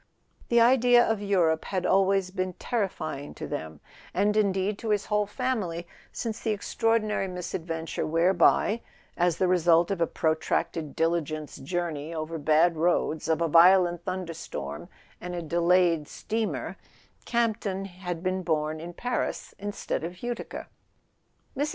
The idea of Europe had always been terrifying to them, and indeed to his whole family, since the ex¬ traordinary misadventure whereby, as the result of a protracted diligence journey over bad roads, of a vio¬ lent thunderstorm, and a delayed steamer, Campton [ 41 ] A SON AT THE FRONT had been born in Paris instead of Utica. Mrs.